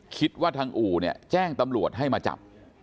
คิดว่าทางอู่เนี่ยแจ้งตำรวจให้มาจับ